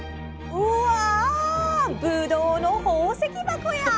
「うわ！ぶどうの宝石箱や！」。